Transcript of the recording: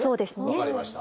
分かりました。